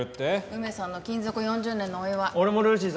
梅さんの勤続４０年のお祝い。